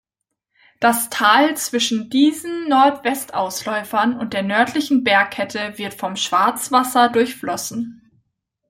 Das Tal zwischen diesem Nordwestausläufer und der nördlichen Bergkette wird vom Schwarzwasser durchflossen.